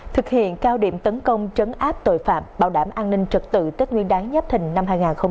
thực hiện cao điểm tấn công trấn áp tội phạm bảo đảm an ninh trật tự tết nguyên đáng nhấp thình năm hai nghìn hai mươi bốn